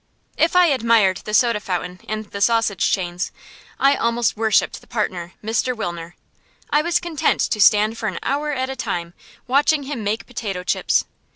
If I admired the soda fountain and the sausage chains, I almost worshipped the partner, Mr. Wilner. I was content to stand for an hour at a time watching him make potato chips.